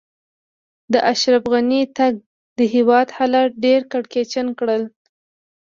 د اشرف غني تګ؛ د هېواد حالات ډېر کړکېچن کړل.